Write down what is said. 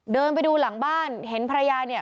เดินไปดูหลังบ้านเห็นภรรยาเนี่ย